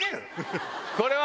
これは⁉